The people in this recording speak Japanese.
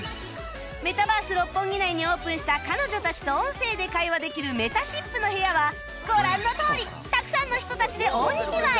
メタバース六本木内にオープンした彼女たちと音声で会話できるめたしっぷの部屋はご覧のとおりたくさんの人たちで大にぎわい